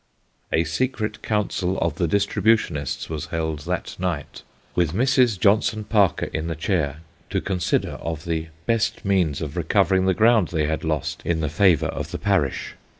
A secret council of the distributionists was held that night, with Mrs. Johnson Parker in the chair, to consider of the best means of recovering the ground they had lost in the favour of the parish.